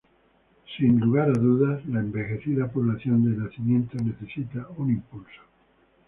Sin lugar a dudas, la envejecida población de Nacimiento necesita un impulso.